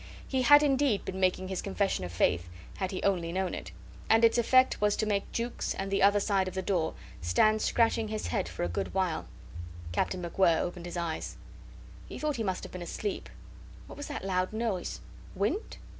He had indeed been making his confession of faith, had he only known it; and its effect was to make Jukes, on the other side of the door, stand scratching his head for a good while. Captain MacWhirr opened his eyes. He thought he must have been asleep. What was that loud noise? Wind?